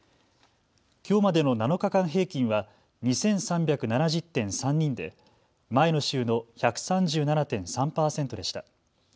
きょうまでの７日間平均は２３７０．３人で前の週の１３７．３％でした。